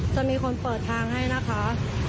จะมีคนเปิดทางให้นะคะ